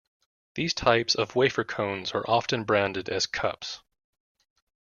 These types of wafer cones are often branded as "cups".